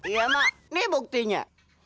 iya mak ini buktinya